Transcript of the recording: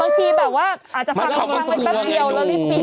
บางทีแบบว่าอาจจะฟังไว้แป๊บเดียวแล้วรีบปีน